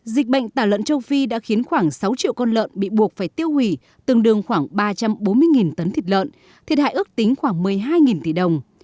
dịch bệnh tả lợn châu phi đã khiến khoảng sáu triệu con lợn bị buộc phải tiêu hủy tương đương khoảng ba trăm bốn mươi tấn thịt lợn thiệt hại ước tính khoảng một mươi hai tỷ đồng